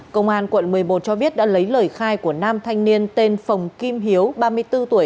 công an quận một mươi một cho biết đã lấy lời khai của nam thanh niên tên phồng kim hiếu ba mươi bốn tuổi